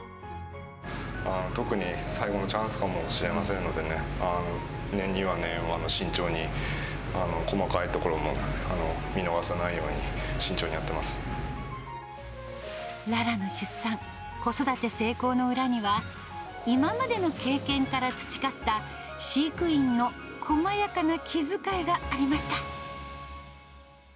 特に最後のチャンスかもしれませんのでね、念には念を、慎重に細かいところも見逃さないように、慎重にやっララの出産、子育て成功の裏には、今までの経験から培った、飼育員のこまやかな気遣いがありました。